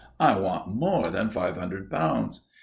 _ I want more than five hundred pounds."